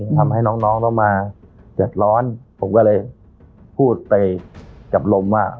ทำให้น้องต้องมาเดือดร้อนผมก็เลยพูดไปกับลมว่า